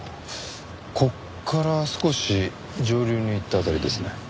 ここから少し上流に行った辺りですね。